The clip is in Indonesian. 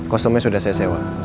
kostumnya sudah saya sewa